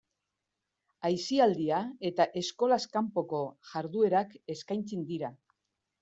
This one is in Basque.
Aisialdia eta eskolaz kanpoko jarduerak eskaintzen dira.